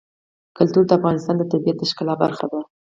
کلتور د افغانستان د طبیعت د ښکلا برخه ده.